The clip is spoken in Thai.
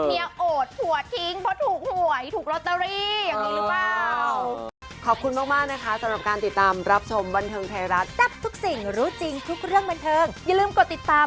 โอดผัวทิ้งเพราะถูกหวยถูกลอตเตอรี่อย่างนี้หรือเปล่า